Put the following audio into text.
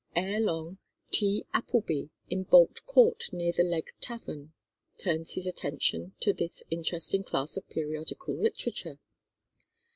Ere long "T. Applebee in Bolt Court, near the Leg Tavern," turns his attention to this interesting class of periodical literature.